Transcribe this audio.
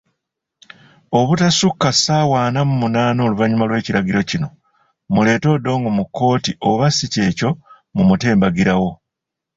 Obutasukka ssaawa ana mu munaana oluvanyuma lw'ekiragiro kino, muleete Odongo mu kkooti oba sikyekyo mumute mbagirawo.